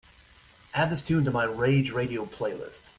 add this tune to my Rage Radio playlist